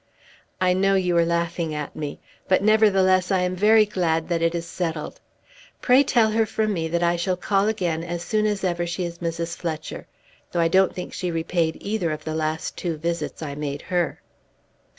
"I know you are laughing at me; but nevertheless I am very glad that it is settled. Pray tell her from me that I shall call again as soon as ever she is Mrs. Fletcher, though I don't think she repaid either of the last two visits I made her."